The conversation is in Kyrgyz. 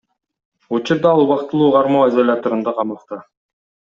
Учурда ал убактылуу кармоо изоляторунда камакта.